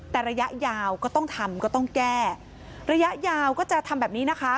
แต่ระยะยาวก็ต้องทำก็ต้องแก้ระยะยาวก็จะทำแบบนี้นะคะ